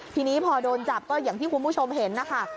ทีนี้พอโดนจับก็อย่างที่คุณผู้ชมเห็นนะคะ